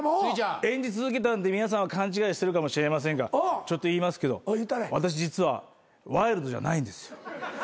演じ続けたんで皆さんは勘違いしてるかもしれませんがちょっと言いますけど私実はワイルドじゃないんですよ。